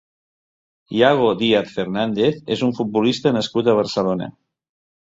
Iago Díaz Fernández és un futbolista nascut a Barcelona.